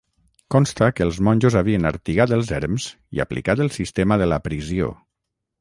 Consta que els monjos havien artigat els erms i aplicat el sistema de l'aprisió.